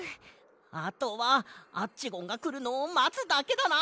あとはアッチゴンがくるのをまつだけだな！